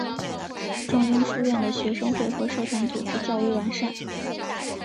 仲英书院的学生会和社团组织较为完善。